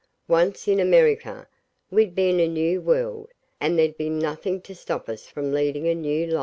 Once in America, we'd be in a new world, and there'd be nothing to stop us from leading a new life.